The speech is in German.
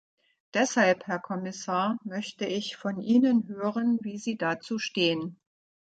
Deshalb, Herr Kommissar, möchte ich von Ihnen hören, wie Sie dazu stehen.